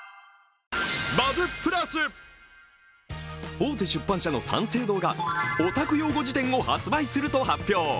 大手出版社の三省堂が「オタク用語辞典」を出版すると発表。